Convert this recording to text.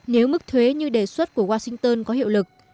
nếu mức thuế như đề xuất của washington có hiệu lực